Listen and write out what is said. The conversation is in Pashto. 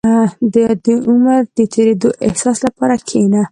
• د عمر د تېرېدو احساس لپاره کښېنه.